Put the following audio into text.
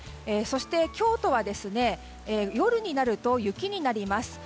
そして、京都は夜になると雪になります。